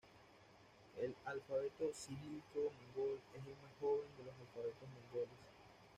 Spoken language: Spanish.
El alfabeto cirílico mongol es el más joven de los alfabetos mongoles.